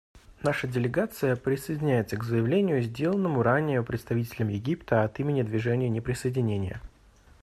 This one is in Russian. Наша делегация присоединяется к заявлению, сделанному ранее представителем Египта от имени Движения неприсоединения.